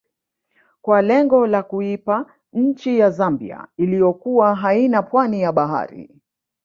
Kwa lengo la kuipa nchi ya Zambia iliyokuwa haina pwani ya bahari